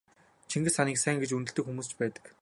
Чингис хааныг сайн гэж үнэлдэг хүмүүс ч байдаг.